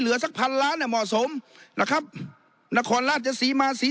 เหลือสักพันล้านอ่ะเหมาะสมนะครับนครราชจะสีมาสี